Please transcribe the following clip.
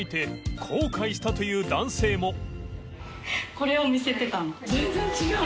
これを見せてたの。